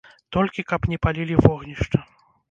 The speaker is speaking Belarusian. Толькі каб не палілі вогнішча!